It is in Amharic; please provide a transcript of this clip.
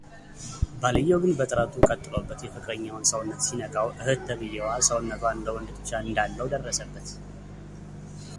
ባልየው ግን በጥረቱ ቀጥሎበት የፍቅረኛውን ሰውነት ሲነካው እህት ተብዬዋ ሰውነቷ እንደወንድ ጡንቻ እንዳለው ደረሰበት፡፡